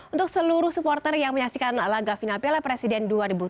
untuk seluruh supporter yang menyaksikan laga final piala presiden dua ribu tujuh belas